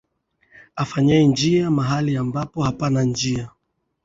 Afanye njia mahali ambapo hapana njia.